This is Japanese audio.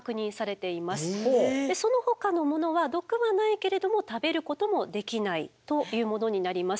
そのほかのものは毒はないけれども食べることもできないというものになります。